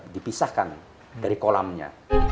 dipisahkan dari kolamnya